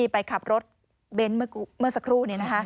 ไปขับรถเบนท์เมื่อสักครู่